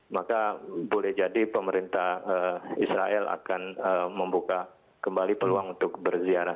maka boleh jadi pemerintah israel akan membuka kembali peluang untuk berziarah